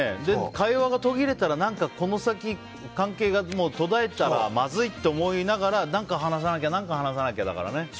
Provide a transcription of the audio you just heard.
会話が途切れたらこの先、関係が途絶えたらまずいって思いながら何か話さなきゃだからね。